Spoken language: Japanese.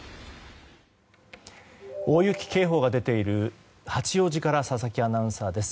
大雪警報が出ている八王子から佐々木アナウンサーです。